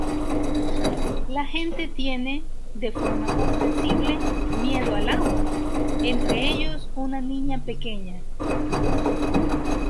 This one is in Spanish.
La gente tiene, de forma comprensible, miedo al agua, entre ellos una niña pequeña.